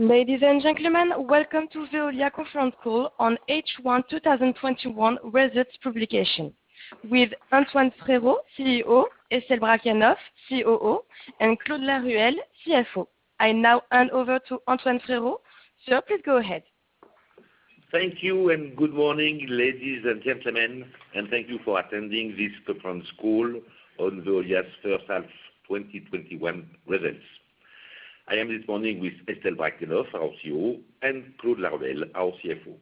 Ladies and gentlemen, welcome to Veolia Conference Call on H1 2021 Results Publication with Antoine Frérot, CEO, Estelle Brachlianoff, COO, and Claude Laruelle, CFO. I now hand over to Antoine Frérot. Sir, please go ahead. Thank you. Good morning, ladies and gentlemen, and thank you for attending this conference call on Veolia's first half 2021 results. I am this morning with Estelle Brachlianoff, our COO, and Claude Laruelle, our CFO.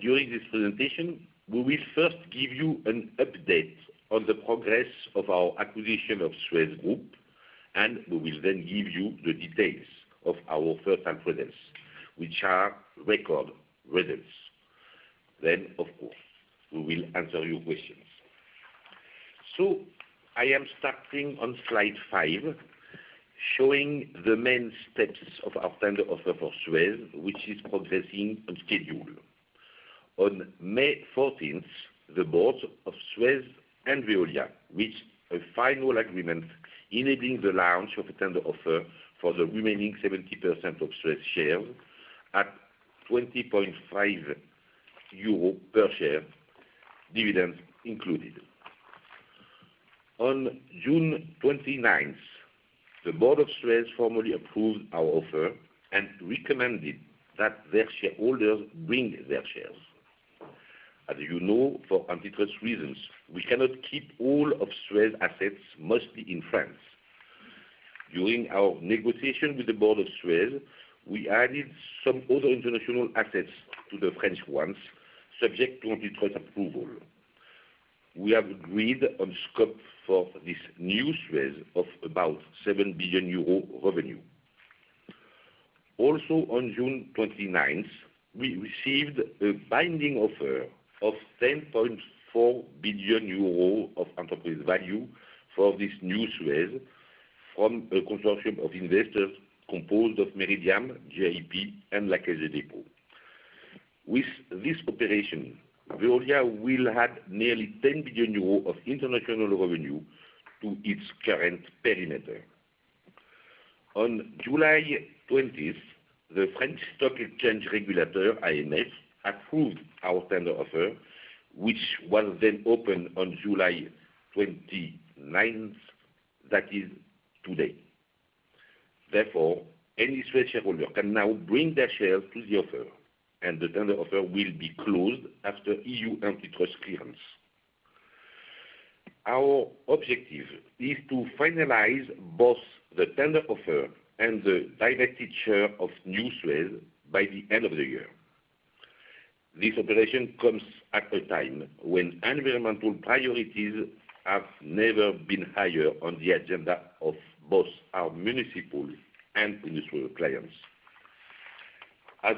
During this presentation, we will first give you an update on the progress of our acquisition of SUEZ Group, and we will then give you the details of our first-half results, which are record results. Of course, we will answer your questions. I am starting on slide five, showing the main steps of our tender offer for SUEZ, which is progressing on schedule. On May 14th, the boards of SUEZ and Veolia reached a final agreement enabling the launch of a tender offer for the remaining 70% of SUEZ shares at 20.50 euro per share, dividends included. On June 29th, the board of SUEZ formally approved our offer and recommended that their shareholders bring their shares. As you know, for antitrust reasons, we cannot keep all of SUEZ assets, mostly in France. During our negotiation with the board of SUEZ, we added some other international assets to the French ones, subject to antitrust approval. We have agreed on scope for this new SUEZ of about 7 billion euro revenue. On June 29th, we received a binding offer of 10.4 billion euro of enterprise value for this new SUEZ from a consortium of investors composed of Meridiam, GIP and La Caisse des Dépôts. With this operation, Veolia will add nearly 10 billion euros of international revenue to its current perimeter. On July 20th, the French Stock Exchange Regulator, AMF, approved our tender offer, which was then opened on July 29th, that is today. Any SUEZ shareholder can now bring their shares to the offer, and the tender offer will be closed after EU antitrust clearance. Our objective is to finalize both the tender offer and the directed share of new SUEZ by the end of the year. This operation comes at a time when environmental priorities have never been higher on the agenda of both our municipal and industrial clients.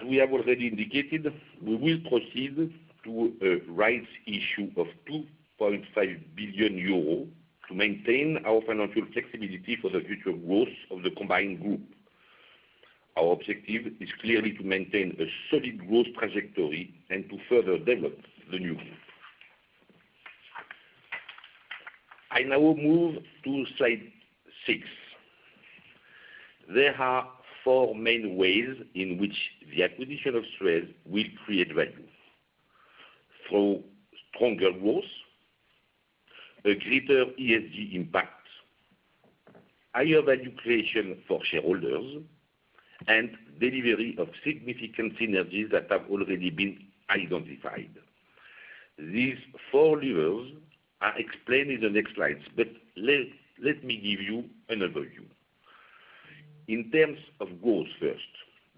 We have already indicated, we will proceed to a rights issue of 2.5 billion euros to maintain our financial flexibility for the future growth of the combined group. Our objective is clearly to maintain a solid growth trajectory and to further develop the new group. Now move to slide six. There are four main ways in which the acquisition of SUEZ will create value. Through stronger growth, a greater ESG impact, higher value creation for shareholders, and delivery of significant synergies that have already been identified. These four levers are explained in the next slides. Let me give you an overview. In terms of growth first,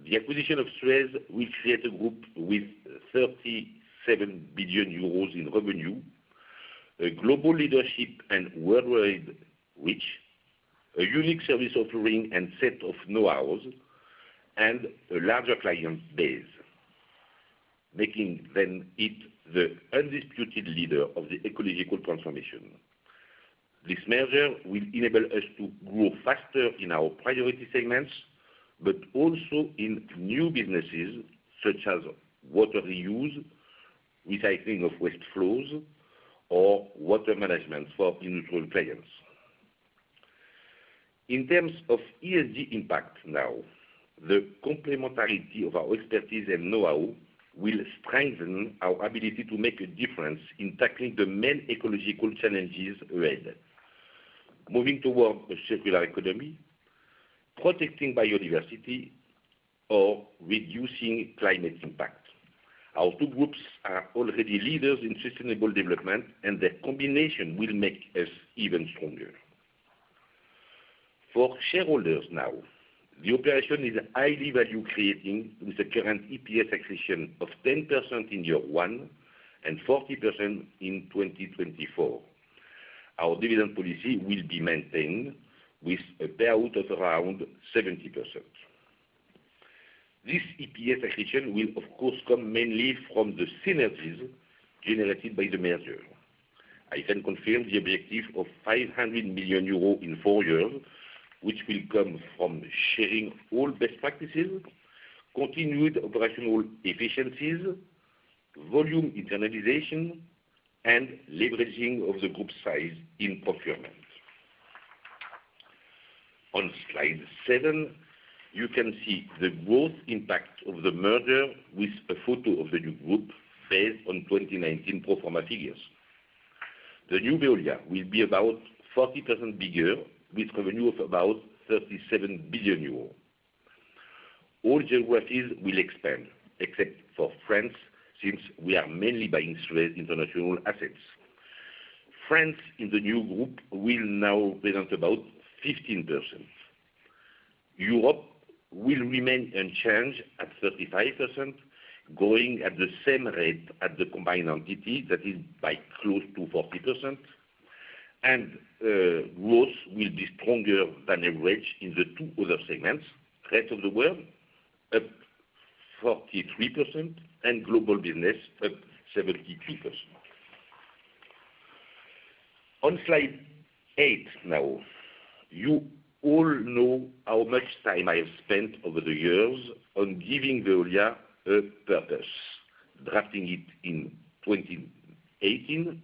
the acquisition of SUEZ will create a group with 37 billion euros in revenue, a global leadership and worldwide reach, a unique service offering and set of know-hows, and a larger client base, making then it the undisputed leader of the ecological transformation. This merger will enable us to grow faster in our priority segments, but also in new businesses such as water reuse, recycling of waste flows, or water management for industrial clients. In terms of ESG impact now, the complementarity of our expertise and know-how will strengthen our ability to make a difference in tackling the main ecological challenges ahead, moving towards a circular economy, protecting biodiversity, or reducing climate impact. Our two groups are already leaders in sustainable development, and their combination will make us even stronger. For shareholders now, the operation is highly value-creating, with a current EPS accretion of 10% in year one and 40% in 2024. Our dividend policy will be maintained with a payout of around 70%. This EPS accretion will, of course, come mainly from the synergies generated by the merger. I can confirm the objective of 500 million euros in four years, which will come from sharing all best practices, continued operational efficiencies volume internalization and leveraging of the group size in procurement. On slide seven, you can see the growth impact of the merger with a photo of the new group based on 2019 pro forma figures. The new Veolia will be about 40% bigger, with revenue of about 37 billion euros. All geographies will expand except for France, since we are mainly buying SUEZ international assets. France in the new group will now present about 15%. Europe will remain unchanged at 35%, growing at the same rate as the combined entity, that is by close to 40%. Growth will be stronger than average in the two other segments, Rest of the World up 43% and Global Business up 73%. On slide eight now, you all know how much time I have spent over the years on giving Veolia a purpose, drafting it in 2018,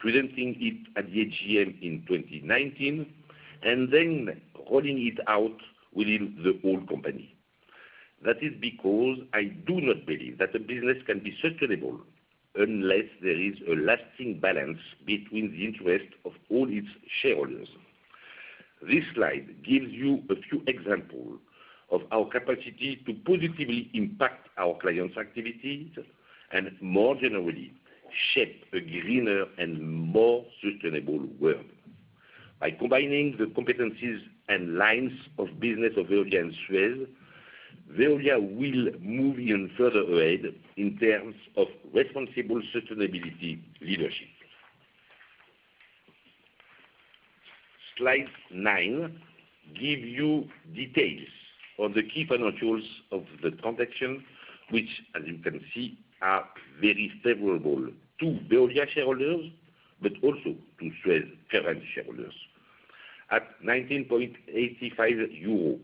presenting it at the AGM in 2019, and then rolling it out within the whole company. That is because I do not believe that a business can be sustainable unless there is a lasting balance between the interests of all its shareholders. This slide gives you a few examples of our capacity to positively impact our clients' activities, and more generally, shape a greener and more sustainable world. By combining the competencies and lines of business of Veolia and SUEZ, Veolia will move even further ahead in terms of responsible sustainability leadership. Slide nine gives you details of the key financials of the transaction, which, as you can see, are very favorable to Veolia shareholders, but also to SUEZ current shareholders. At 19.85 euro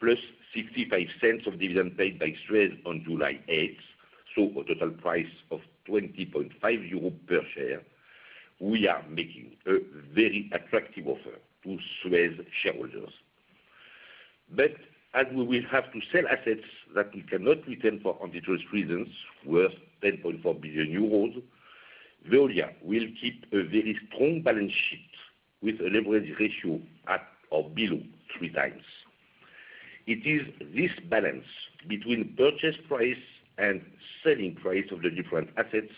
plus 0.65 of dividend paid by SUEZ on July 8th, so a total price of 20.5 euro per share, we are making a very attractive offer to SUEZ shareholders. As we will have to sell assets that we cannot retain for antitrust reasons, worth 10.4 billion euros, Veolia will keep a very strong balance sheet with a leverage ratio at or below 3x. It is this balance between purchase price and selling price of the different assets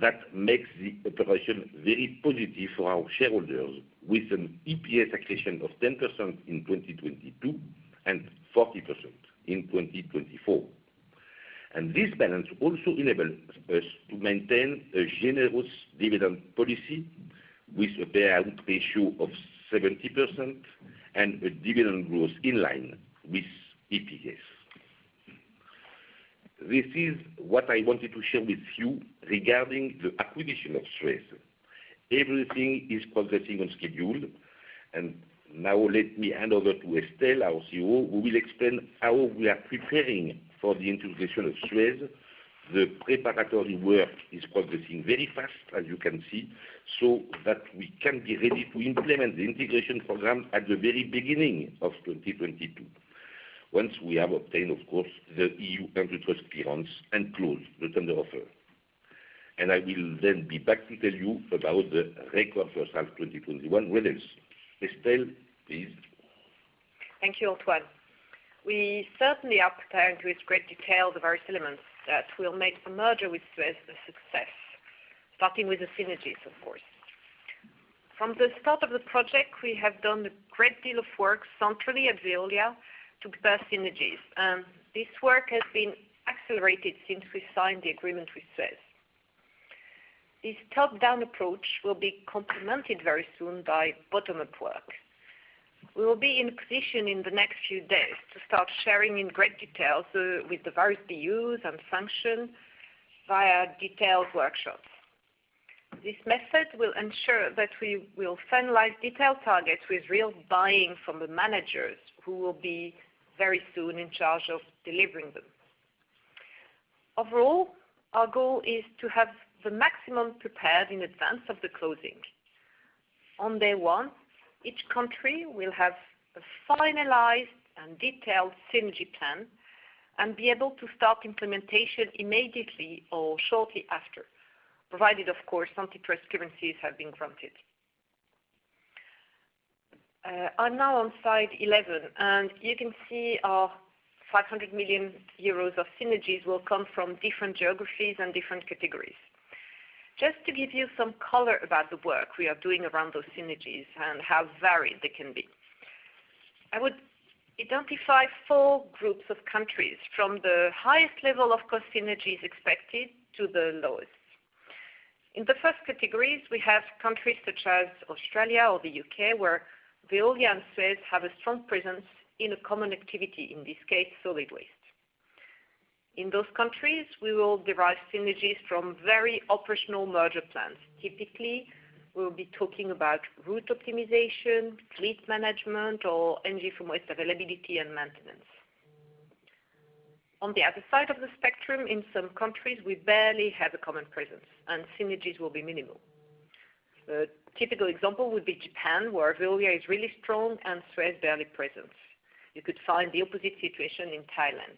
that makes the operation very positive for our shareholders, with an EPS accretion of 10% in 2022 and 40% in 2024. This balance also enables us to maintain a generous dividend policy with a payout ratio of 70% and a dividend growth in line with EPS. This is what I wanted to share with you regarding the acquisition of SUEZ. Everything is progressing on schedule. Now let me hand over to Estelle, our COO, who will explain how we are preparing for the integration of SUEZ. The preparatory work is progressing very fast, as you can see, so that we can be ready to implement the integration program at the very beginning of 2022. Once we have obtained, of course, the EU antitrust clearance and closed the tender offer. I will then be back to tell you about the record first half 2021 release. Estelle, please. Thank you, Antoine. We certainly are preparing with great detail the various elements that will make the merger with SUEZ a success, starting with the synergies, of course. From the start of the project, we have done a great deal of work centrally at Veolia to prepare synergies. This work has been accelerated since we signed the agreement with SUEZ. This top-down approach will be complemented very soon by bottom-up work. We will be in position in the next few days to start sharing in great detail with the various BUs and functions via detailed workshops. This method will ensure that we will finalize detailed targets with real buy-in from the managers who will be very soon in charge of delivering them. Overall, our goal is to have the maximum prepared in advance of the closing. On day one, each country will have a finalized and detailed synergy plan and be able to start implementation immediately or shortly after. Provided, of course, antitrust clearances have been granted. I'm now on slide 11. You can see our 500 million euros of synergies will come from different geographies and different categories. Just to give you some color about the work we are doing around those synergies and how varied they can be, I would identify four groups of countries, from the highest level of cost synergies expected to the lowest. In the first categories, we have countries such as Australia or the U.K., where Veolia and SUEZ have a strong presence in a common activity, in this case, solid waste. In those countries, we will derive synergies from very operational merger plans, typically, we'll be talking about route optimization, fleet management, or energy from waste availability and maintenance. On the other side of the spectrum, in some countries, we barely have a common presence and synergies will be minimal. A typical example would be Japan, where Veolia is really strong and SUEZ barely present. You could find the opposite situation in Thailand.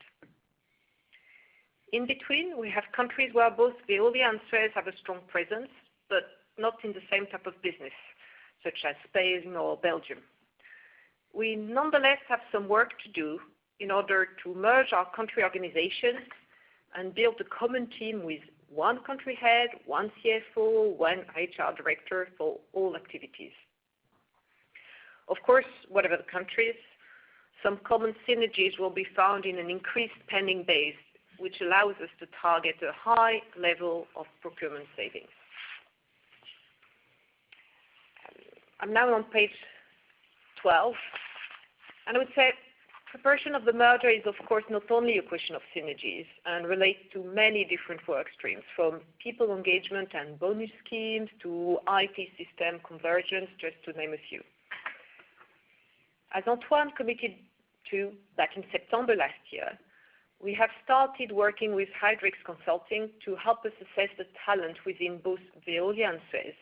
In between, we have countries where both Veolia and SUEZ have a strong presence, but not in the same type of business, such as Spain or Belgium. We nonetheless have some work to do in order to merge our country organizations and build a common team with one country head, one CFO, one HR Director for all activities. Of course, whatever the countries, some common synergies will be found in an increased spending base, which allows us to target a high level of procurement savings. I'm now on page 12. I would say preparation of the merger is, of course, not only a question of synergies and relates to many different work streams, from people engagement and bonus schemes to IT system convergence, just to name a few. As Antoine committed to back in September last year, we have started working with Heidrick Consulting to help us assess the talent within both Veolia and SUEZ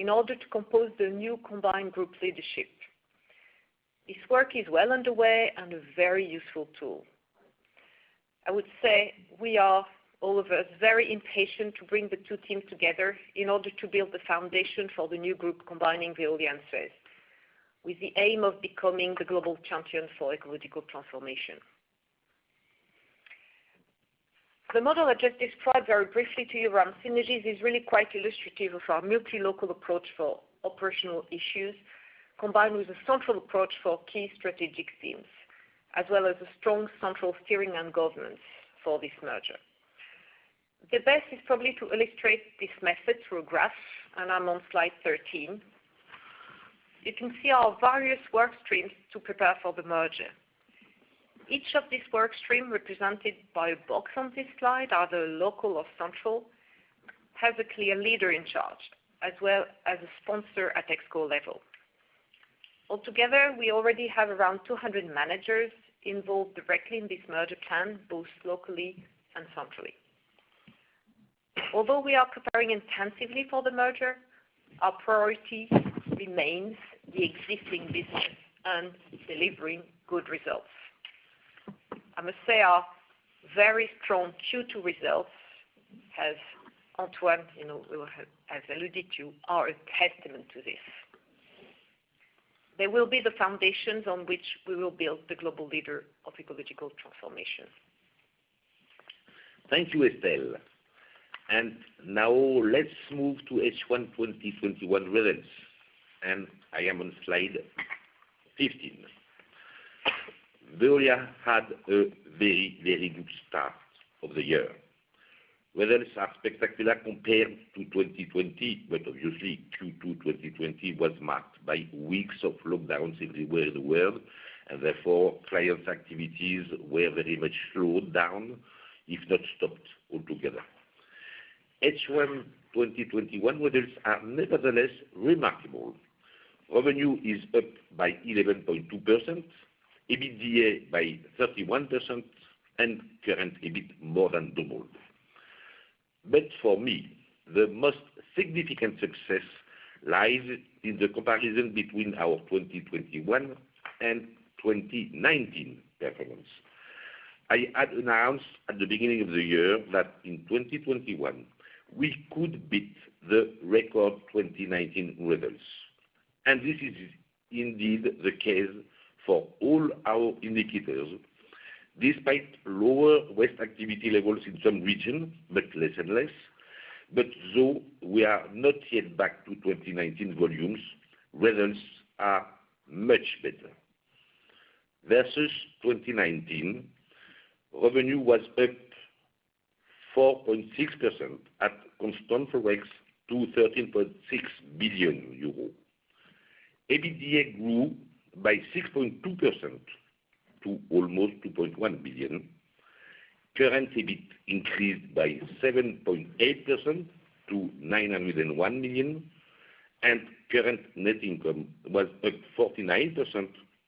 in order to compose the new combined group leadership. This work is well underway and a very useful tool. I would say we are, all of us, very impatient to bring the two teams together in order to build the foundation for the new group combining Veolia and SUEZ, with the aim of becoming the global champion for ecological transformation. The model I just described very briefly to you around synergies is really quite illustrative of our multi-local approach for operational issues, combined with a central approach for key strategic themes, as well as a strong central steering and governance for this merger. The best is probably to illustrate this method through a graph, and I'm on slide 13. You can see our various work streams to prepare for the merger. Each of these work streams, represented by a box on this slide, are either local or central, have a clear leader in charge, as well as a sponsor at ExCo level. Altogether, we already have around 200 managers involved directly in this merger plan, both locally and centrally. Although we are preparing intensively for the merger, our priority remains the existing business and delivering good results. I must say, our very strong Q2 results, Antoine, you know, has alluded to, are a testament to this. They will be the foundations on which we will build the global leader of ecological transformation. Thank you, Estelle. Now let's move to H1 2021 results, and I am on slide 15. Veolia had a very good start of the year. Results are spectacular compared to 2020, but obviously Q2 2020 was marked by weeks of lockdowns everywhere in the world, and therefore clients' activities were very much slowed down, if not stopped altogether. H1 2021 results are nevertheless remarkable. Revenue is up by 11.2%, EBITDA by 31%, and current EBIT more than doubled. For me, the most significant success lies in the comparison between our 2021 and 2019 performance. I had announced at the beginning of the year that in 2021, we could beat the record 2019 results, and this is indeed the case for all our indicators, despite lower waste activity levels in some regions, but less and less. Though we are not yet back to 2019 volumes, results are much better. Versus 2019, revenue was up 4.6% at constant ForEx to 13.6 billion euro. EBITDA grew by 6.2% to almost 2.1 billion. Current EBIT increased by 7.8% to 901 million, and current net income was up 49%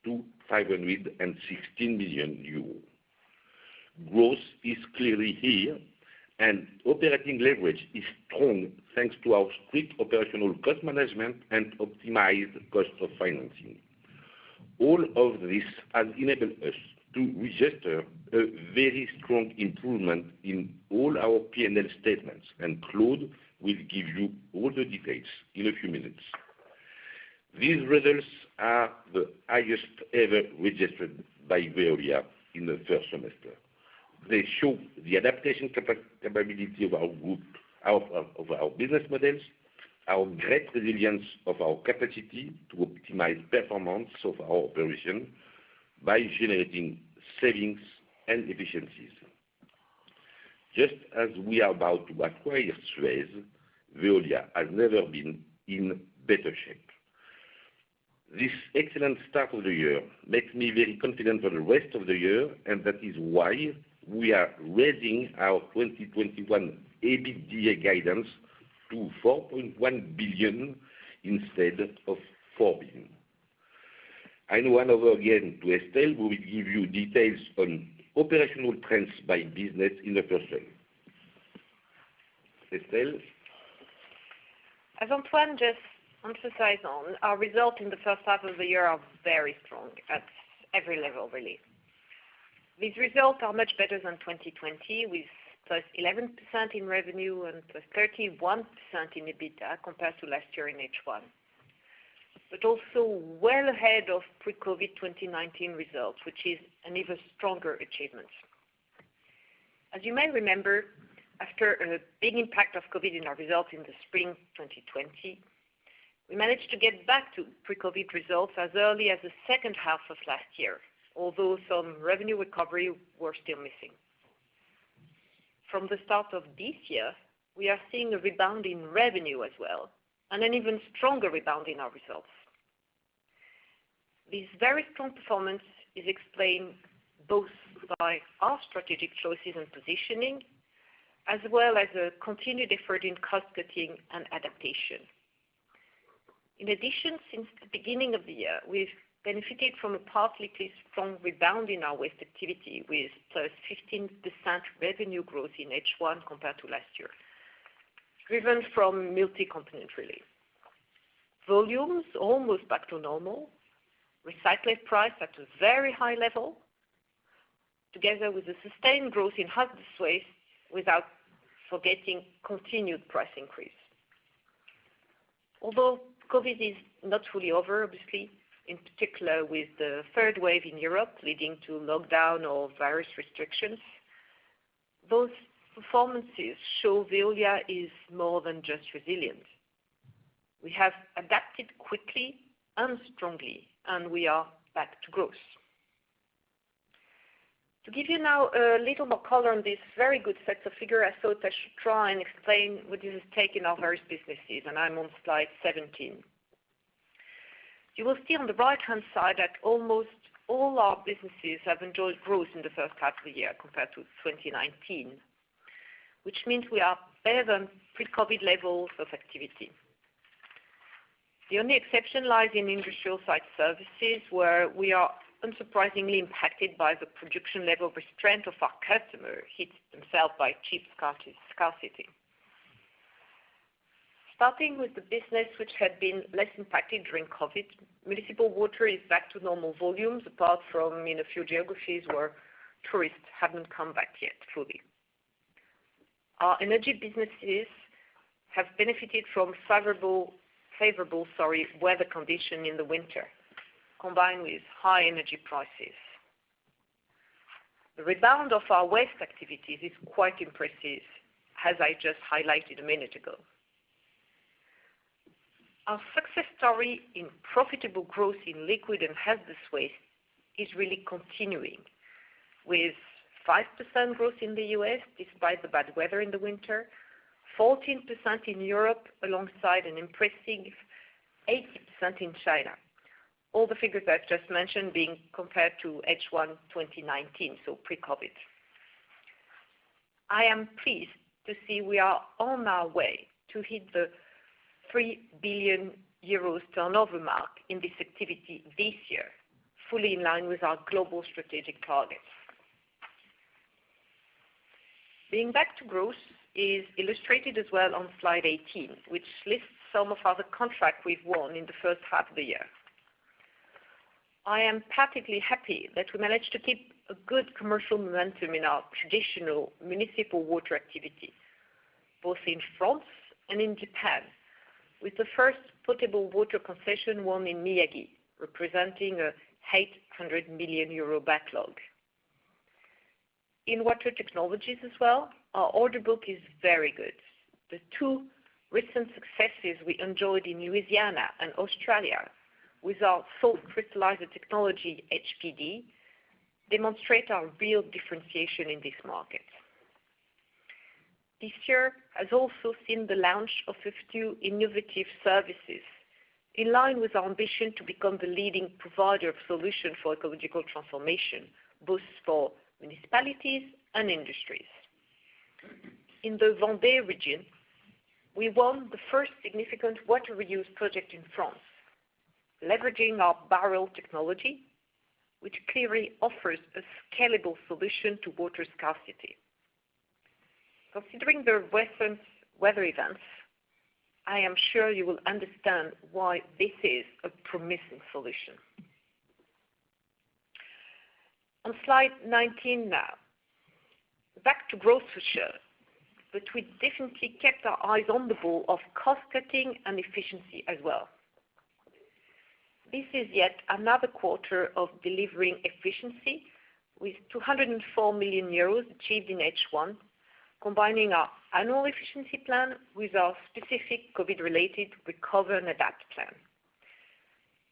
to 516 million euro. Growth is clearly here, and operating leverage is strong, thanks to our strict operational cost management and optimized cost of financing. All of this has enabled us to register a very strong improvement in all our P&L statements, and Claude will give you all the details in a few minutes. These results are the highest ever registered by Veolia in the first semester. They show the adaptation capability of our business models, our great resilience of our capacity to optimize performance of our operation by generating savings and efficiencies. Just as we are about to acquire SUEZ, Veolia has never been in better shape. This excellent start of the year makes me very confident for the rest of the year, and that is why we are raising our 2021 EBITDA guidance to 4.1 billion instead of 4 billion. I now hand over again to Estelle, who will give you details on operational trends by business in the first half. Estelle? As Antoine just emphasized on, our results in the first half of the year are very strong at every level, really. These results are much better than 2020, with +11% in revenue and +31% in EBITDA compared to last year in H1. Also well ahead of pre-COVID 2019 results, which is an even stronger achievement. As you may remember, after a big impact of COVID in our results in the Spring 2020, we managed to get back to pre-COVID results as early as the second half of last year, although some revenue recovery we're still missing. From the start of this year, we are seeing a rebound in revenue as well, and an even stronger rebound in our results. This very strong performance is explained both by our strategic choices and positioning, as well as a continued effort in cost-cutting and adaptation. In addition, since the beginning of the year, we've benefited from a particularly strong rebound in our waste activity, with +15% revenue growth in H1 compared to last year, driven from multi-component really. Volumes almost back to normal, recycling price at a very high level, together with the sustained growth in hazardous waste, without forgetting continued price increase. Although COVID is not fully over, obviously, in particular with the third wave in Europe leading to lockdown or various restrictions, those performances show Veolia is more than just resilient. We have adapted quickly and strongly, and we are back to growth. To give you now a little more color on this very good set of figures, I thought I should try and explain what this has taken our various businesses, and I'm on slide 17. You will see on the right-hand side that almost all our businesses have enjoyed growth in the first half of the year compared to 2019, which means we are better than pre-COVID levels of activity. The only exception lies in industrial site services, where we are unsurprisingly impacted by the production level restraint of our customer, hit themselves by chip scarcity. Starting with the business which had been less impacted during COVID, municipal water is back to normal volumes, apart from in a few geographies where tourists haven't come back yet fully. Our energy businesses have benefited from favorable weather condition in the winter, combined with high energy prices. The rebound of our waste activities is quite impressive, as I just highlighted a minute ago. Our success story in profitable growth in liquid and hazardous waste is really continuing, with 5% growth in the U.S., despite the bad weather in the winter, 14% in Europe, alongside an impressive 18% in China. All the figures I've just mentioned being compared to H1 2019, so pre-COVID. I am pleased to see we are on our way to hit the 3 billion euros turnover mark in this activity this year, fully in line with our global strategic targets. Being back to growth is illustrated as well on slide 18, which lists some of the other contract we've won in the first half of the year. I am particularly happy that we managed to keep a good commercial momentum in our traditional municipal water activity, both in France and in Japan, with the first potable water concession won in Miyagi, representing a 800 million euro backlog. In water technologies as well, our order book is very good. The two recent successes we enjoyed in Louisiana and Australia with our salt crystallizer technology, HPD, demonstrate our real differentiation in these markets. This year has also seen the launch of a few innovative services in line with our ambition to become the leading provider of solution for ecological transformation, both for municipalities and industries. In the Vendée region, we won the first significant water reuse project in France, leveraging our Barrel technology, which clearly offers a scalable solution to water scarcity. Considering the recent weather events, I am sure you will understand why this is a promising solution. On slide 19 now. Back to growth for sure, but we definitely kept our eyes on the ball of cost-cutting and efficiency as well. This is yet another quarter of delivering efficiency with 204 million euros achieved in H1, combining our annual efficiency plan with our specific COVID-related Recover and Adapt plan,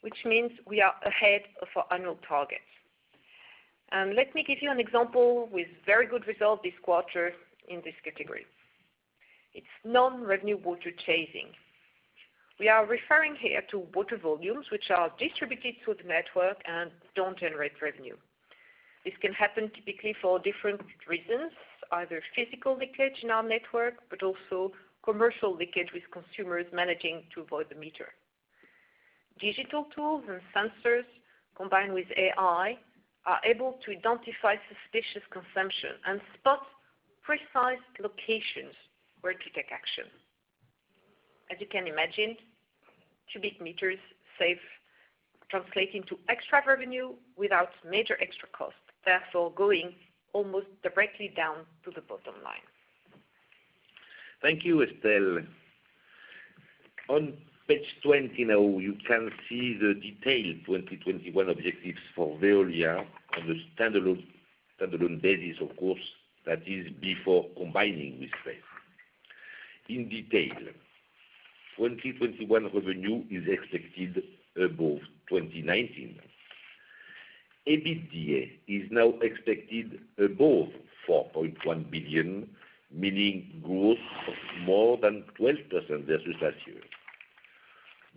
which means we are ahead of our annual target. Let me give you an example with very good result this quarter in this category. It's non-revenue water chasing. We are referring here to water volumes, which are distributed through the network and don't generate revenue. This can happen typically for different reasons, either physical leakage in our network, but also commercial leakage with consumers managing to avoid the meter. Digital tools and sensors combined with AI are able to identify suspicious consumption and spot precise locations where to take action. As you can imagine, cubic meters saved translating to extra revenue without major extra cost, therefore, going almost directly down to the bottom line. Thank you, Estelle. On page 20 now, you can see the detailed 2021 objectives for Veolia on the standalone basis, of course. That is before combining with SUEZ. In detail, 2021 revenue is expected above 2019. EBITDA is now expected above 4.1 billion, meaning growth of more than 12% versus last year.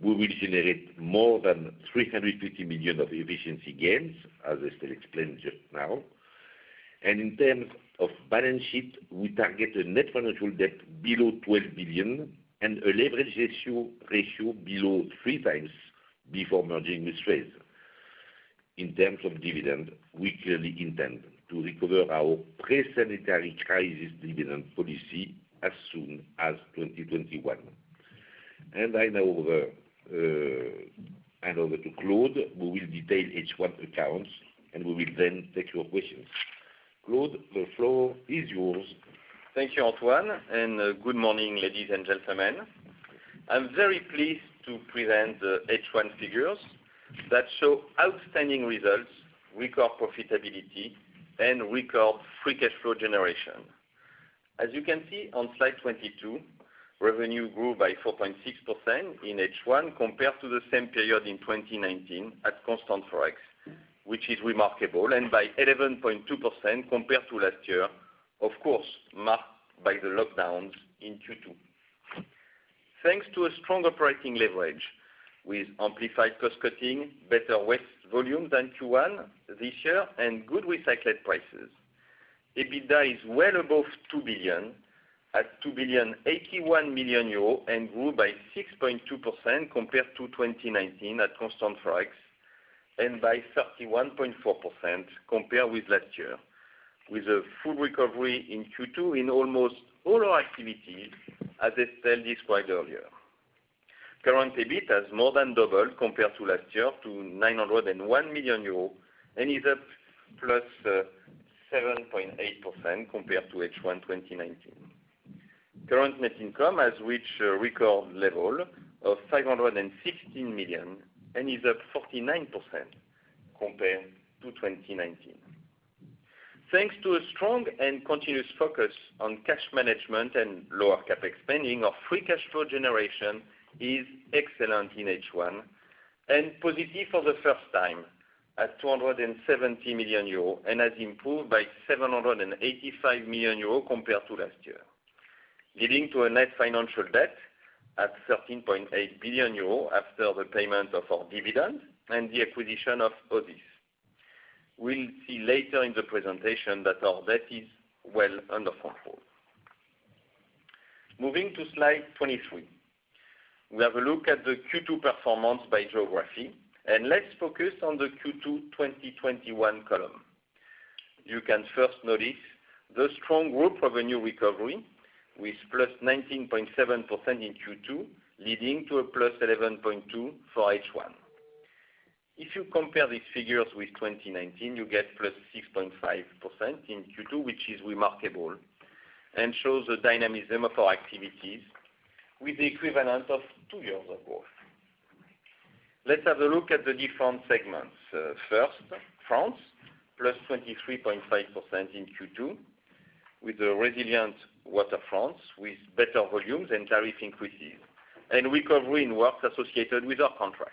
We will generate more than 350 million of efficiency gains, as Estelle explained just now. In terms of balance sheet, we target a net financial debt below 12 billion and a leverage ratio below 3x before merging with SUEZ. In terms of dividend, we clearly intend to recover our pre-sanitary crisis dividend policy as soon as 2021. I hand over to Claude, who will detail H1 accounts, and we will then take your questions. Claude, the floor is yours. Thank you, Antoine, and good morning, ladies and gentlemen. I'm very pleased to present the H1 figures that show outstanding results, record profitability, and record free cash flow generation. As you can see on slide 22, revenue grew by 4.6% in H1 compared to the same period in 2019 at constant ForEx, which is remarkable, and by 11.2% compared to last year, of course, marked by the lockdowns in Q2. Thanks to a strong operating leverage with amplified cost-cutting, better waste volume than Q1 this year, and good recycled prices. EBITDA is well above 2 billion, at 2 billion, 81 million and grew by 6.2% compared to 2019 at constant ForEx, and by 31.4% compared with last year. With a full recovery in Q2 in almost all our activity, as Estelle described earlier. Current EBIT has more than doubled compared to last year, to 901 million euros and is up +7.8% compared to H1 2019. Current net income has reached a record level of 516 million and is up 49% compared to 2019. Thanks to a strong and continuous focus on cash management and lower CapEx spending, our free cash flow generation is excellent in H1 and positive for the first time at 270 million euros and has improved by 785 million euros compared to last year, leading to a net financial debt at 13.8 billion euros after the payment of our dividend and the acquisition of OSIS. We'll see later in the presentation that our debt is well under control. Moving to slide 23. We have a look at the Q2 performance by geography, let's focus on the Q2 2021 column. You can first notice the strong group revenue recovery with +19.7% in Q2, leading to a +11.2% for H1. If you compare these figures with 2019, you get +6.5% in Q2, which is remarkable and shows the dynamism of our activities with the equivalent of two years of growth. Let's have a look at the different segments. First, France, +23.5% in Q2 with the resilient water France with better volumes and tariff increases, and recovery in works associated with our contracts.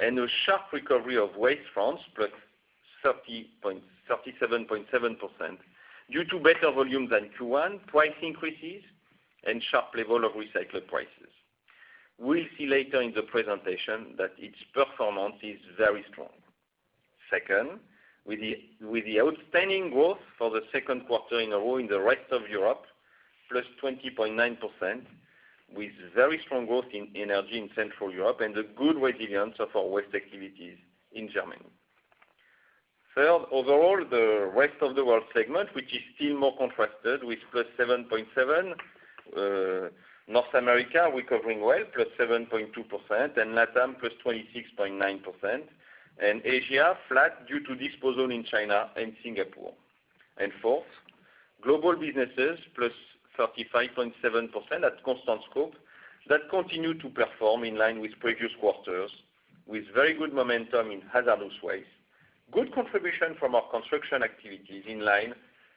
A sharp recovery of waste France, +37.7% due to better volume than Q1, price increases, and sharp level of recycled prices. We'll see later in the presentation that its performance is very strong. Second, with the outstanding growth for the second quarter in a row in the rest of Europe, +20.9%, with very strong growth in energy in Central Europe and the good resilience of our waste activities in Germany. Third, overall, the rest of the world segment, which is still more contrasted with +7.7%. North America recovering well, +7.2%, and LATAM +26.9%, and Asia flat due to disposal in China and Singapore. Fourth, global businesses +35.7% at constant scope that continue to perform in line with previous quarters with very good momentum in hazardous waste, good contribution from our construction activities in line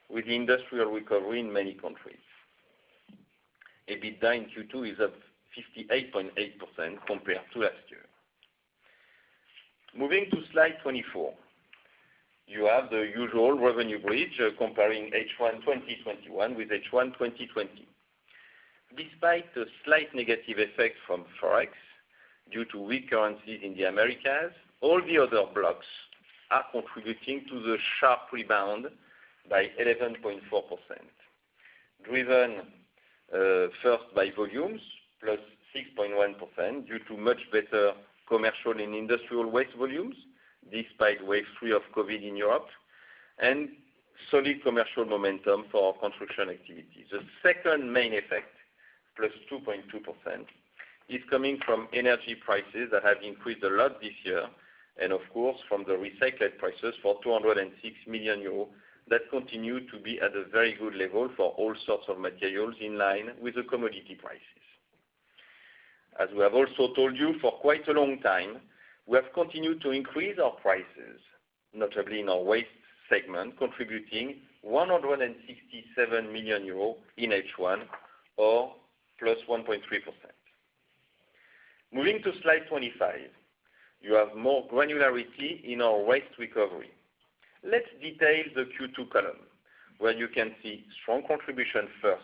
with the industrial recovery in many countries. EBITDA in Q2 is up 58.8% compared to last year. Moving to slide 24. You have the usual revenue bridge comparing H1 2021 with H1 2020. Despite the slight negative effect from ForEx due to weak currency in the Americas, all the other blocks are contributing to the sharp rebound by 11.4%, driven first by volumes, +6.1%, due to much better commercial and industrial waste volumes despite wave three of COVID in Europe, and solid commercial momentum for our construction activity. The second main effect, +2.2%, is coming from energy prices that have increased a lot this year and, of course, from the recycled prices for 206 million euros that continue to be at a very good level for all sorts of materials in line with the commodity prices. As we have also told you for quite a long time, we have continued to increase our prices, notably in our waste segment, contributing 167 million euros in H1 or +1.3%. Moving to slide 25, you have more granularity in our waste recovery. Let's detail the Q2 column where you can see strong contribution first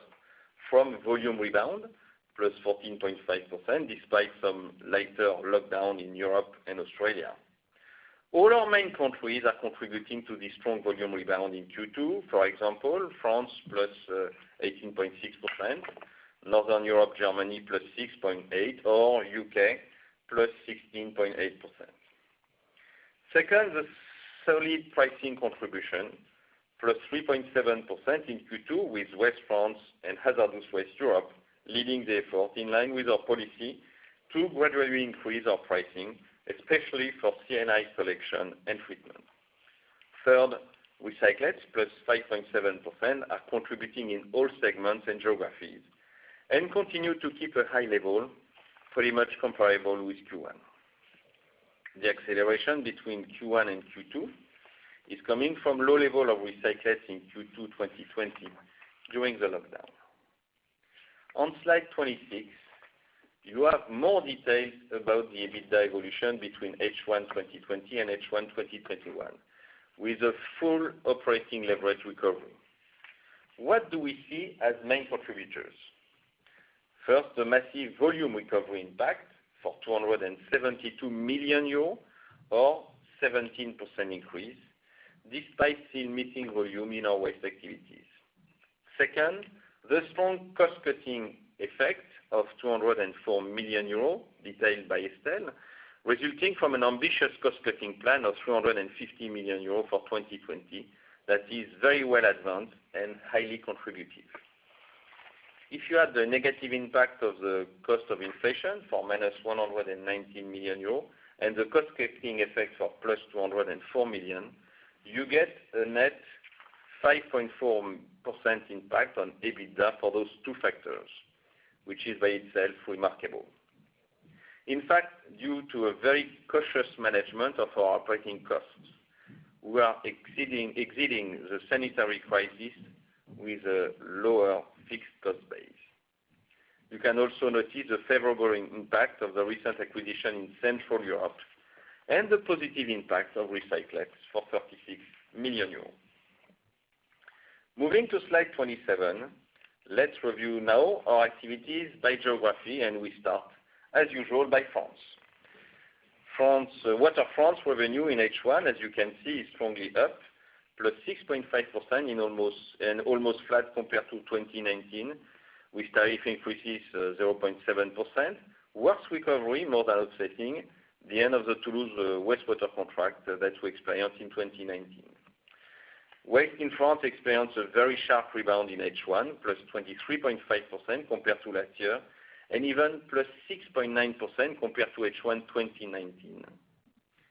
from volume rebound, +14.5%, despite some later lockdown in Europe and Australia. All our main countries are contributing to this strong volume rebound in Q2. For example, France +18.6%, Northern Europe, Germany +6.8%, or U.K. +16.8%. Second, the solid pricing contribution, +3.7% in Q2 with West France and hazardous waste Europe leading the effort in line with our policy to gradually increase our pricing, especially for C&I collection and treatment. Third, recyclates, +5.7%, are contributing in all segments and geographies and continue to keep a high level pretty much comparable with Q1. The acceleration between Q1 and Q2 is coming from low level of recyclates in Q2 2020 during the lockdown. On slide 26, you have more details about the EBITDA evolution between H1 2020 and H1 2021 with a full operating leverage recovery. What do we see as main contributors? First, the massive volume recovery impact for 272 million euros or 17% increase, despite still missing volume in our waste activities. Second, the strong cost-cutting effect of 204 million euros detailed by Estelle, resulting from an ambitious cost-cutting plan of 350 million euros for 2020 that is very well advanced and highly contributive. If you add the negative impact of the cost of inflation for -190 million euro and the cost-cutting effect for +204 million, you get a net 5.4% impact on EBITDA for those two factors, which is by itself remarkable. In fact, due to a very cautious management of our operating costs, we are exiting the sanitary crisis with a lower fixed cost base. You can also notice the favorable impact of the recent acquisition in Central Europe and the positive impact of recyclates for 36 million euros. Moving to slide 27, let's review now our activities by geography, we start, as usual, by France. Water France revenue in H1, as you can see, is strongly up +6.5%, almost flat compared to 2019, with tariff increases 0.7%, waste recovery more than offsetting the end of the Toulouse wastewater contract that we experienced in 2019. Waste in France experienced a very sharp rebound in H1, +23.5% compared to last year, even +6.9% compared to H1 2019,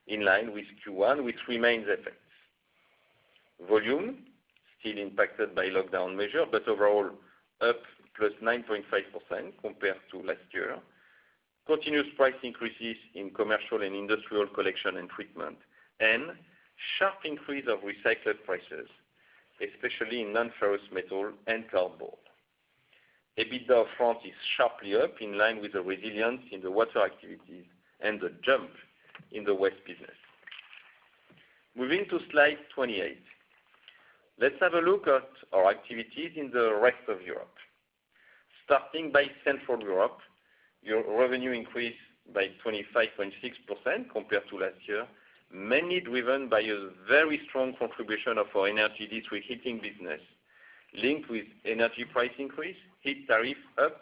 in line with Q1, which remains effects. Volume still impacted by lockdown measure, overall up +9.5% compared to last year. Continuous price increases in commercial and industrial collection and treatment, sharp increase of recycled prices, especially in non-ferrous metal and cardboard. EBITDA France is sharply up in line with the resilience in the water activities, the jump in the waste business. Moving to slide 28. Let's have a look at our activities in the rest of Europe. Starting by Central Europe, our revenue increased by 25.6% compared to last year, mainly driven by a very strong contribution of our energy district heating business, linked with energy price increase, heat tariff up,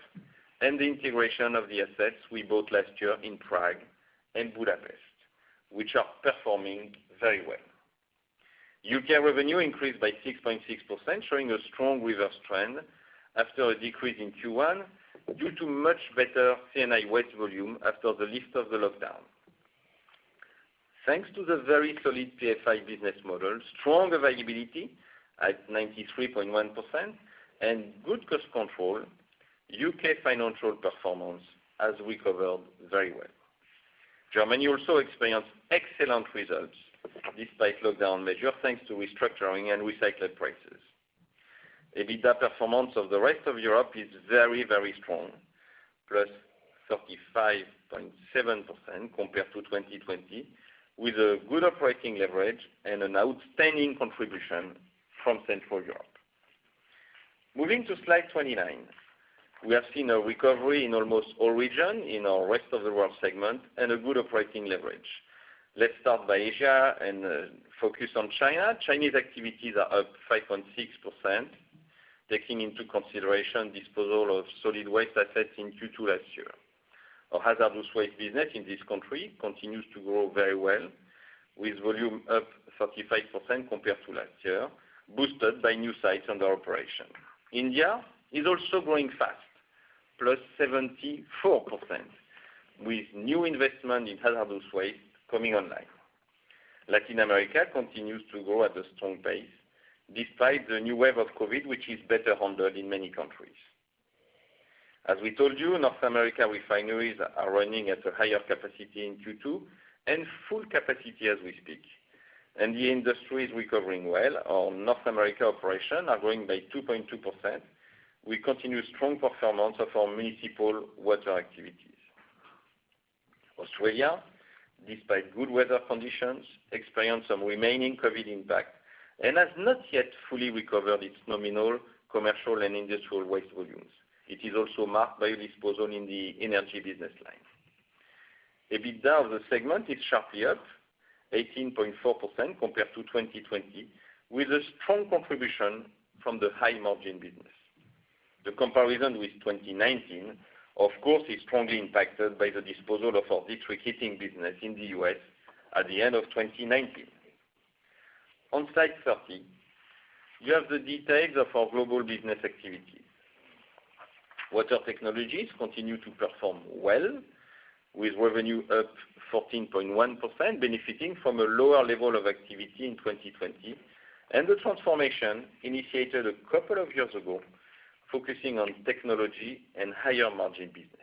and the integration of the assets we bought last year in Prague and Budapest, which are performing very well. U.K. revenue increased by 6.6%, showing a strong reverse trend after a decrease in Q1 due to much better C&I waste volume after the lift of the lockdown. Thanks to the very solid PFI business model, strong availability at 93.1%, and good cost control, U.K. financial performance has recovered very well. Germany also experienced excellent results despite lockdown measure, thanks to restructuring and recycled prices. EBITDA performance of the rest of Europe is very strong, +35.7% compared to 2020, with a good operating leverage and an outstanding contribution from Central Europe. Moving to slide 29. We have seen a recovery in almost all region in our rest of the world segment, and a good operating leverage. Let's start by Asia and focus on China. Chinese activities are up 5.6%, taking into consideration disposal of solid waste assets in Q2 last year. Our hazardous waste business in this country continues to grow very well, with volume up 35% compared to last year, boosted by new sites under operation. India is also growing fast, +74%, with new investment in hazardous waste coming online. Latin America continues to grow at a strong pace, despite the new wave of COVID, which is better handled in many countries. As we told you, North America refineries are running at a higher capacity in Q2 and full capacity as we speak. The industry is recovering well. Our North America operation are growing by 2.2%. We continue strong performance of our municipal water activities. Australia, despite good weather conditions, experienced some remaining COVID impact and has not yet fully recovered its nominal commercial and industrial waste volumes. It is also marked by disposal in the energy business line. EBITDA of the segment is sharply up 18.4% compared to 2020, with a strong contribution from the high-margin business. The comparison with 2019, of course, is strongly impacted by the disposal of our district heating business in the U.S. at the end of 2019. On slide 30, you have the details of our global business activity. Water technologies continue to perform well with revenue up 14.1%, benefiting from a lower level of activity in 2020, and the transformation initiated a couple of years ago, focusing on technology and higher margin business.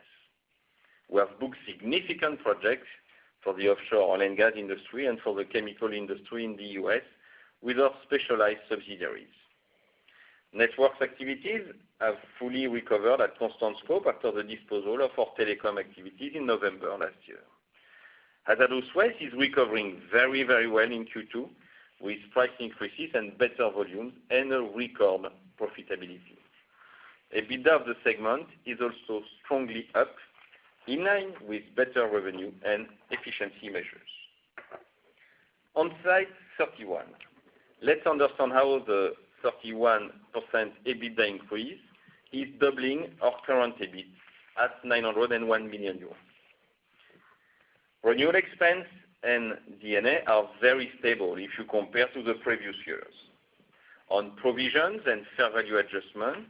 We have booked significant projects for the offshore oil and gas industry and for the chemical industry in the U.S. with our specialized subsidiaries. Networks activities have fully recovered at constant scope after the disposal of our telecom activities in November last year. Hazardous waste is recovering very well in Q2, with price increases and better volumes and a record profitability. EBITDA of the segment is also strongly up, in line with better revenue and efficiency measures. On slide 31, let's understand how the 31% EBITDA increase is doubling our current EBIT at 901 million euros. Renewal expense and D&A are very stable if you compare to the previous years. On provisions and fair value adjustment,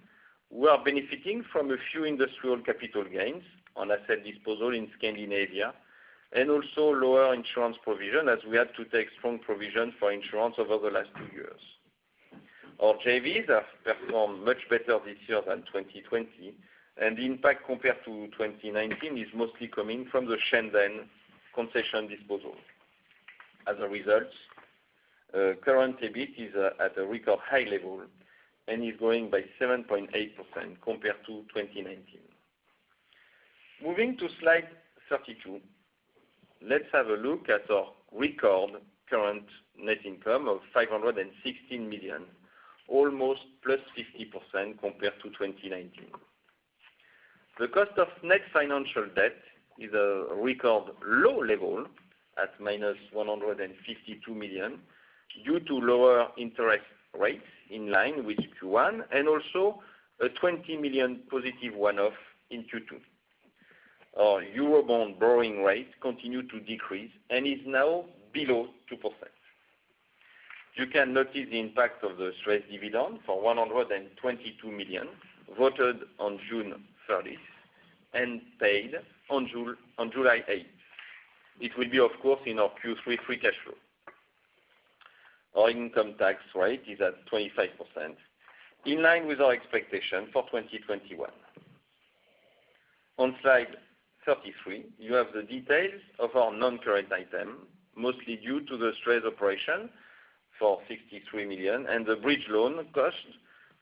we are benefiting from a few industrial capital gains on asset disposal in Scandinavia, and also lower insurance provision as we had to take strong provision for insurance over the last two years. Our JVs have performed much better this year than 2020, and the impact compared to 2019 is mostly coming from the Shenzhen concession disposal. As a result, current EBIT is at a record high level and is growing by 7.8% compared to 2019. Moving to slide 32, let's have a look at our record current net income of 516 million, almost +50% compared to 2019. The cost of net financial debt is a record low level at -152 million, due to lower interest rates in line with Q1, and also a 20 million positive one-off in Q2. Our Eurobond borrowing rate continued to decrease and is now below 2%. You can notice the impact of the SUEZ dividend for 122 million, voted on June 30th and paid on July 8th. It will be, of course, in our Q3 free cash flow. Our income tax rate is at 25%, in line with our expectation for 2021. On slide 33, you have the details of our non-current item, mostly due to the SUEZ operation for 63 million and the bridge loan cost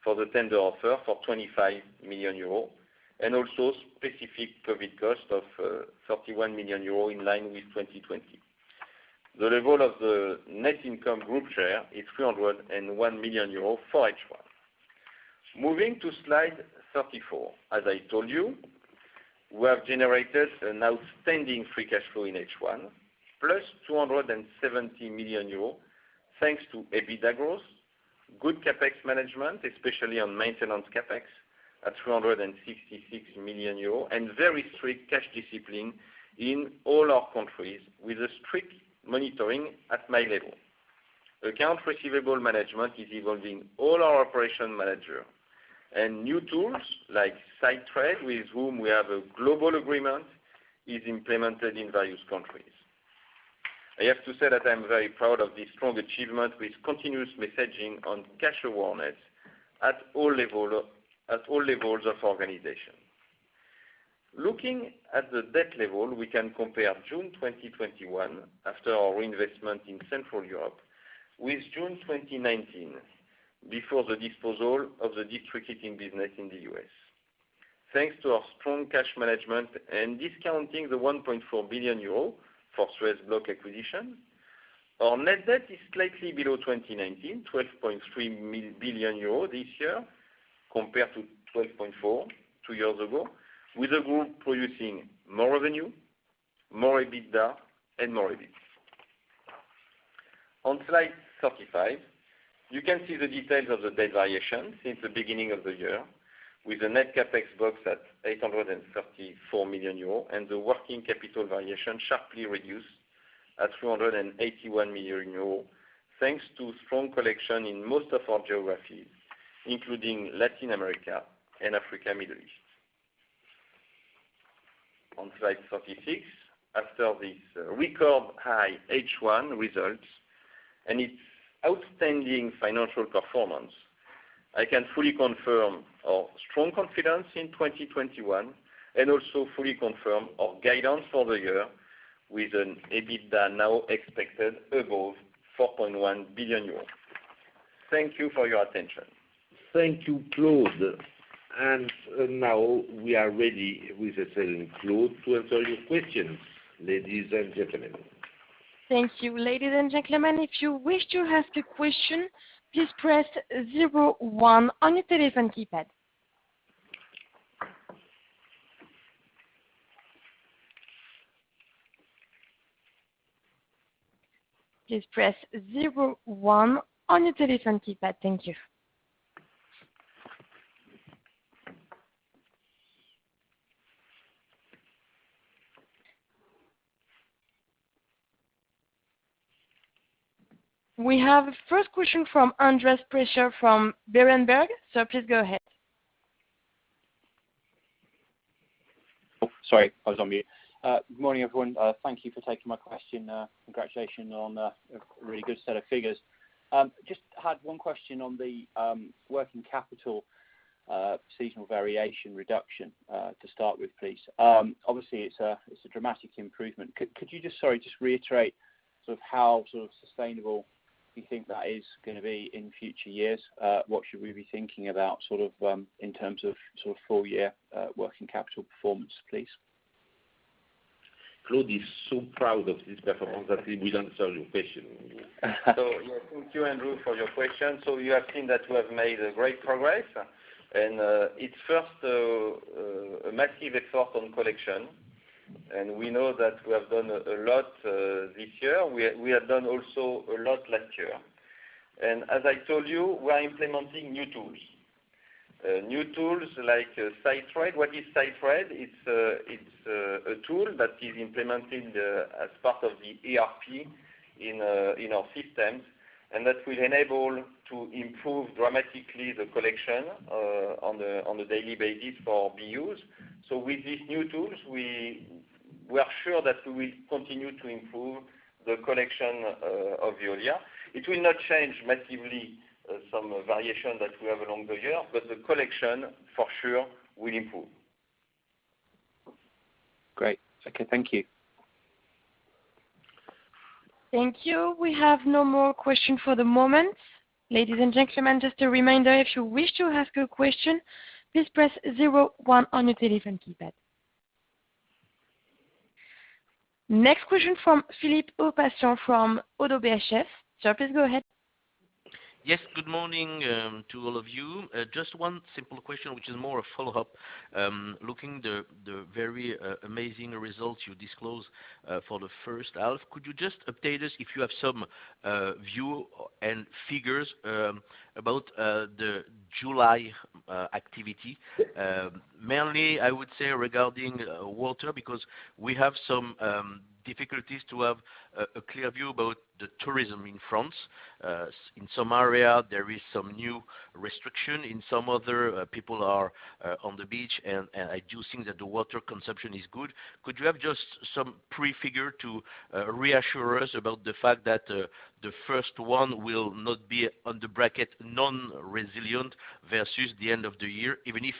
for the tender offer for 25 million euro, and also specific COVID cost of 31 million euro, in line with 2020. The level of the net income group share is 301 million euro for H1. Moving to slide 34. I told you, we have generated an outstanding free cash flow in H1, +270 million euros, thanks to EBITDA growth, good CapEx management, especially on maintenance CapEx at 366 million euros, and very strict cash discipline in all our countries, with a strict monitoring at my level. Accounts receivable management is evolving all our operation manager and new tools, like Sidetrade, with whom we have a global agreement, is implemented in various countries. I have to say that I'm very proud of this strong achievement with continuous messaging on cash awareness at all levels of organization. Looking at the debt level, we can compare June 2021 after our reinvestment in Central Europe, with June 2019 before the disposal of the district heating business in the U.S. Thanks to our strong cash management and discounting the 1.4 billion euro for SUEZ block acquisition, our net debt is slightly below 2019, 12.3 billion euro this year compared to 12.4 billion two years ago, with the group producing more revenue, more EBITDA, and more EBIT. On slide 35, you can see the details of the debt variation since the beginning of the year with the net CapEx box at 834 million euros and the working capital variation sharply reduced at 381 million euros, thanks to strong collection in most of our geographies, including Latin America and Africa, Middle East. On slide 36, after this record high H1 results and its outstanding financial performance, I can fully confirm our strong confidence in 2021 and also fully confirm our guidance for the year with an EBITDA now expected above 4.1 billion euros. Thank you for your attention. Thank you, Claude. Now we are ready with Claude to answer your questions, ladies and gentlemen. Thank you, ladies and gentlemen. If you wish to ask a question, please press zero one on your telephone keypad. Please press zero one on your telephone keypad. Thank you. We have the first question from Andrew Fisher from Berenberg. Please go ahead. Oh, sorry, I was on mute. Morning, everyone. Thank you for taking my question. Congratulations on a really good set of figures. Just had one question on the working capital seasonal variation reduction to start with, please. Obviously, it's a dramatic improvement. Could you just reiterate how sustainable you think that is going to be in future years? What should we be thinking about in terms of full-year working capital performance, please? Claude is so proud of this performance that he will answer your question. Thank you, Andrew, for your question. You have seen that we have made great progress, and it's first a massive effort on collection. We know that we have done a lot this year. We have done also a lot last year. As I told you, we are implementing new tools. New tools like Sidetrade. What is Sidetrade? It's a tool that is implemented as part of the ERP in our systems, and that will enable to improve dramatically the collection on a daily basis for BUs. With these new tools, we are sure that we will continue to improve the collection of Veolia. It will not change massively some variation that we have along the year, but the collection for sure will improve. Great. Okay. Thank you. Thank you. We have no more questions for the moment. Ladies and gentlemen, just a reminder, if you wish to ask a question, please press zero one on your telephone keypad. Next question from Philippe Ourpatian from ODDO BHF. Please go ahead. Yes. Good morning to all of you. Just one simple question, which is more a follow-up. Looking at the very amazing results you disclosed for the first half, could you just update us if you have some view and figures about the July activity? Mainly, I would say regarding water, because we have some difficulties to have a clear view about the tourism in France. In some area, there is some new restriction. In some other, people are on the beach, and I do think that the water consumption is good. Could you have just some pre-figure to reassure us about the fact that the first one will not be on the bracket non-resilient versus the end of the year, even if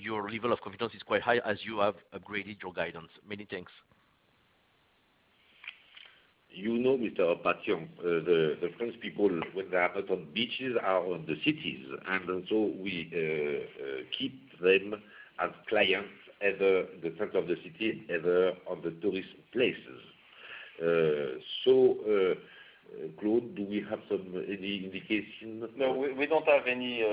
your level of confidence is quite high as you have upgraded your guidance. Many thanks. You know, Mr. Ourpatian, the French people, when they are not on beaches, are in the cities. We keep them as clients either the center of the city, either on the tourist places. Claude, do we have any indication? No, we don't have any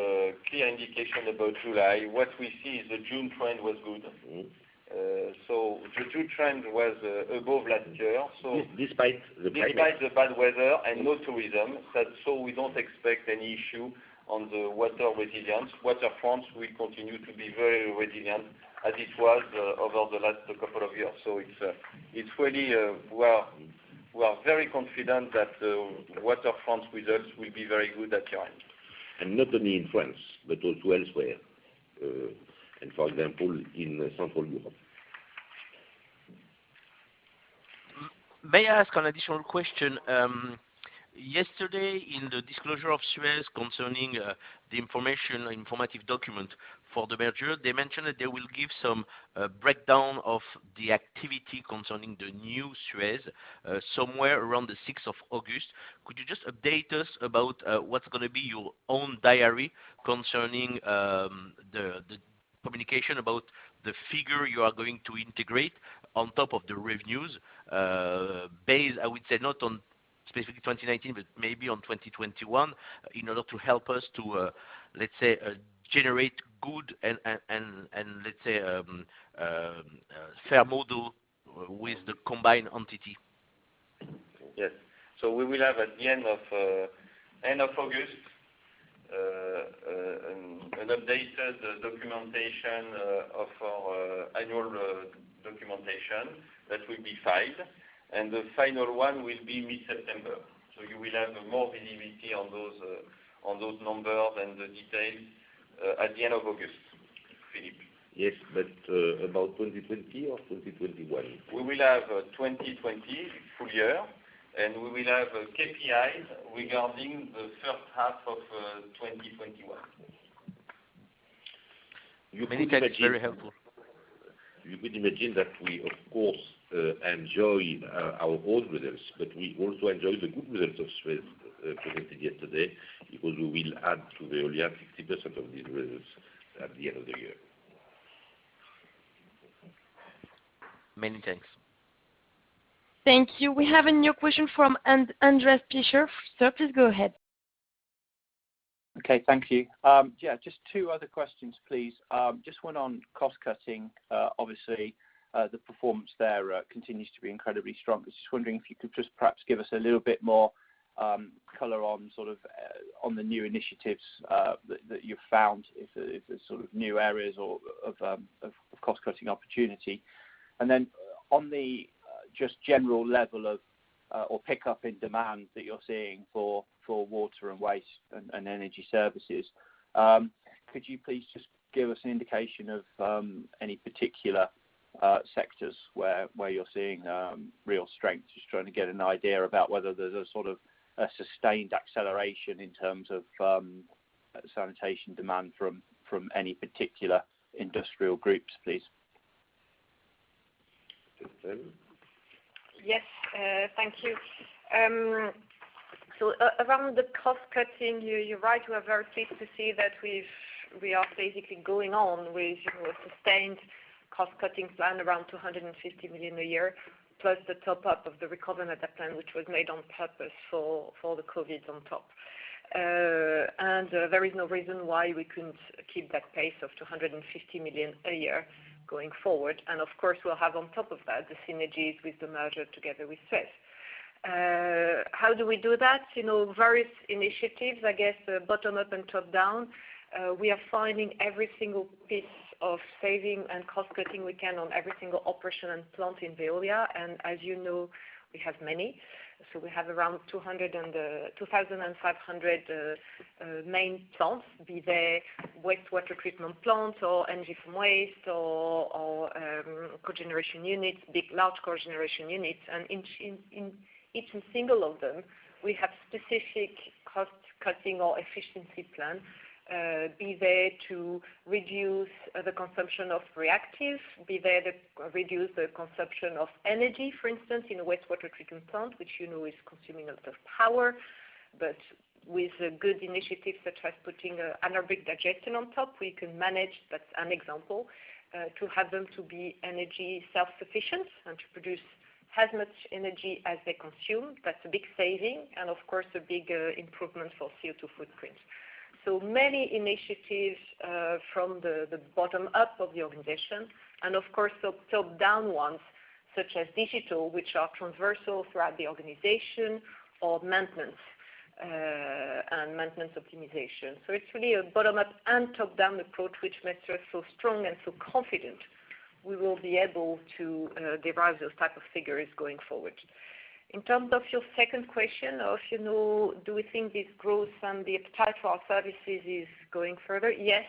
clear indication about July. What we see is the June trend was good. The June trend was above last year. Despite the bad weather. Despite the bad weather and no tourism. We don't expect any issue on the water resilience. Water France will continue to be very resilient as it was over the last couple of years. We are very confident that the Water France results will be very good at year-end. Not only in France, but also elsewhere. For example, in Central Europe. May I ask an additional question? Yesterday, in the disclosure of SUEZ concerning the informative document for the merger, they mentioned that they will give some breakdown of the activity concerning the new SUEZ somewhere around the August 6th. Could you just update us about what's going to be your own diary concerning the communication about the figure you are going to integrate on top of the revenues? Based, I would say, not on specific 2019, maybe on 2021, in order to help us to generate good and fair model with the combined entity. Yes. We will have at the end of August an updated documentation of our annual documentation that will be filed, and the final one will be mid-September. You will have more visibility on those numbers and the details at the end of August, Philippe. About 2020 or 2021? We will have 2020 full year, and we will have KPIs regarding the first half of 2021. Many thanks. Very helpful. You could imagine that we, of course, enjoy our own results, but we also enjoy the good results of SUEZ presented yesterday, because we will add to the Veolia 60% of these results at the end of the year. Many thanks. Thank you. We have a new question from Andrew Fisher. Sir, please go ahead. Okay. Thank you. Yeah, just two other questions, please. Just one on cost-cutting. Obviously, the performance there continues to be incredibly strong. I was just wondering if you could just perhaps give us a little bit more color on the new initiatives that you've found, if there's new areas of cost-cutting opportunity. Then on the just general level of, or pickup in demand that you're seeing for water and waste and energy services, could you please just give us an indication of any particular sectors where you're seeing real strength? Just trying to get an idea about whether there's a sustained acceleration in terms of sanitation demand from any particular industrial groups, please. Estelle. Yes. Thank you. Around the cost-cutting, you are right. We are very pleased to see that we are basically going on with a sustained cost-cutting plan around 250 million a year, plus the top-up of the Recover and Adapt plan, which was made on purpose for the COVID on top. There is no reason why we couldn't keep that pace of 250 million a year going forward. Of course, we'll have on top of that, the synergies with the merger together with SUEZ. How do we do that? Various initiatives, I guess bottom-up and top-down. We are finding every single piece of saving and cost-cutting we can on every single operation and plant in Veolia. As you know, we have many. We have around 2,500 main plants, be they wastewater treatment plants or energy from waste or cogeneration units, big, large cogeneration units. In each single one of them, we have specific cost-cutting or efficiency plans, be they to reduce the consumption of reactive, be they to reduce the consumption of energy, for instance, in a wastewater treatment plant, which you know is consuming a lot of power. With good initiatives such as putting anaerobic digestion on top, we can manage, that's an example, to have them to be energy self-sufficient and to produce as much energy as they consume. That's a big saving and of course, a big improvement for CO2 footprint. Many initiatives from the bottom up of the organization, and of course, the top-down ones such as digital, which are transversal throughout the organization, or maintenance and maintenance optimization. It's really a bottom-up and top-down approach, which makes us so strong and so confident we will be able to derive those type of figures going forward. In terms of your second question of do we think this growth and the appetite for our services is going further? Yes,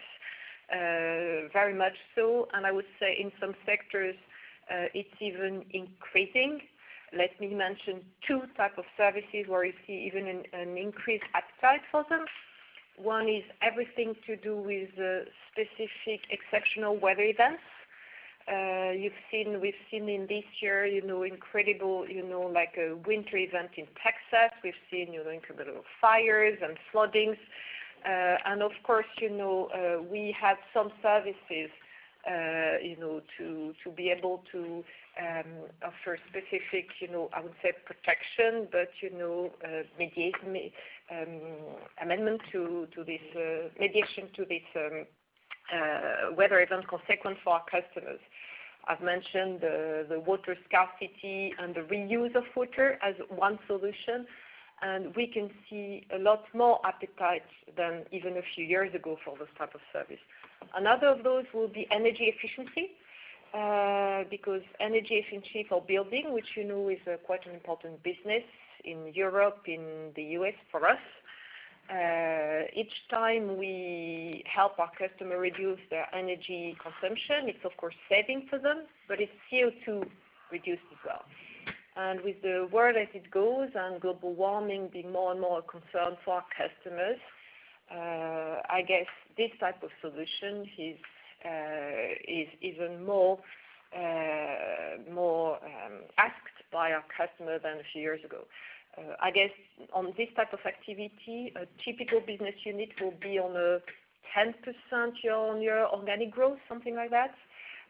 very much so. I would say in some sectors, it's even increasing. Let me mention two type of services where we see even an increased appetite for them. One is everything to do with specific exceptional weather events. We've seen in this year, incredible winter event in Texas. We've seen incredible fires and floodings. Of course, we have some services to be able to offer specific, I would say protection, but remediation to this weather event consequence for our customers. I've mentioned the water scarcity and the reuse of water as one solution, and we can see a lot more appetite than even a few years ago for this type of service. Another of those will be energy efficiency, because energy efficiency for building, which you know is quite an important business in Europe, in the U.S., for us. Each time we help our customer reduce their energy consumption, it's of course saving for them, but it's CO2 reduced as well. With the world as it goes and global warming being more and more a concern for our customers, I guess this type of solution is even more asked by our customers than a few years ago. I guess on this type of activity, a typical business unit will be on a 10% year-on-year organic growth, something like that.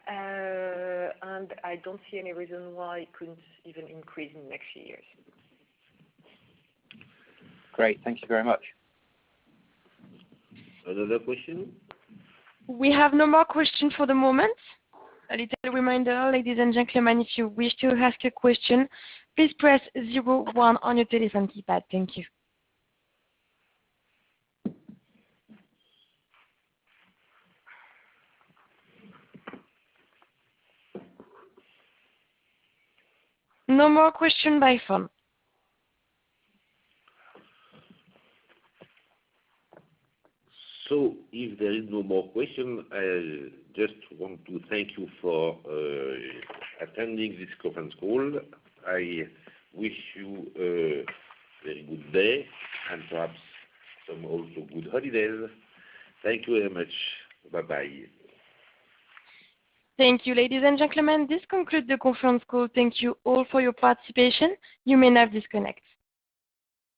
I don't see any reason why it couldn't even increase in the next few years. Great. Thank you very much. Another question? We have no more question for the moment. No more question by phone. If there is no more question, I just want to thank you for attending this conference call. I wish you a very good day and perhaps some also good holidays. Thank you very much. Bye-bye. Thank you, ladies and gentlemen. This concludes the conference call. Thank you all for your participation. You may now disconnect.